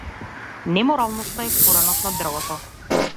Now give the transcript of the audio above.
Неморалноста е коренот на дрвото.